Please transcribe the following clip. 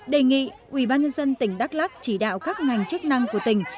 đề nghị ubnd tỉnh đắk lắc chỉ đạo các ngành chức năng của tỉnh